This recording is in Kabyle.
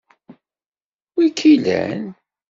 Wi-k ilan?